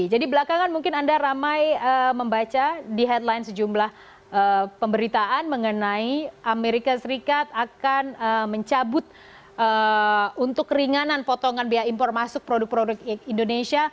jadi belakangan mungkin anda ramai membaca di headline sejumlah pemberitaan mengenai amerika serikat akan mencabut untuk keringanan potongan biaya impor masuk produk produk indonesia